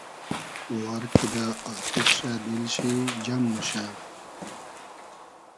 وار کیدۂ آتیش رۂ دیل شی جئم موشۂ